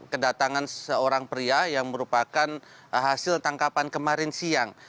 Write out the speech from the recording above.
kedatangan seorang pria yang merupakan hasil tangkapan kemarin siang